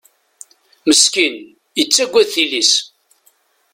Meskin, yettagad tili-s.